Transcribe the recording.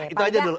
itu aja dulu